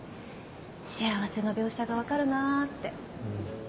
幸せの描写が分かるなって。